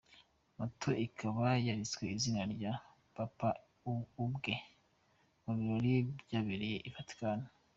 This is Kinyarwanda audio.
Moto ikaba yariswe izina na Papa ubwe, mu birori byabereye I Vatican.